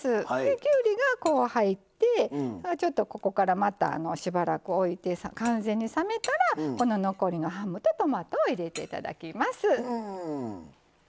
きゅうりが入ってここから、またしばらく置いて完全に冷めたら残りのハムとトマトを入れていただきます。